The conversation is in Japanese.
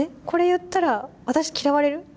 これ言ったら私嫌われる？